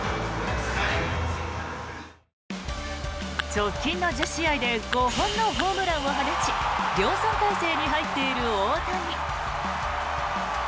直近の１０試合で５本のホームランを放ち量産体制に入っている大谷。